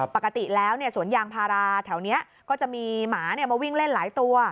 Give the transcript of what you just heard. ปกติแล้วสวนยางพาราแถวนี้ก็จะมีหมามาวิ่งเล่นหลายตัว